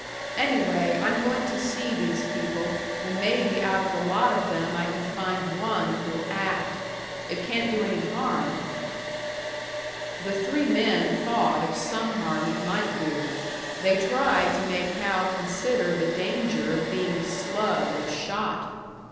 Anyway, I'm going to see these people, and maybe out of the lot of them I can find one who'll act. It can't do any harm!" The three men thought of some harm it might do; they tried to make Hal consider the danger of being slugged Or shot.